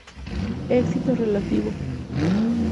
Éxito relativo.